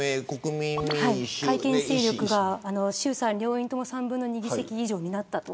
改憲勢力が衆参両院とも３分の２議席以上になった。